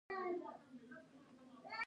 د سرای شهزاده د اسعارو تبادلې مرکز دی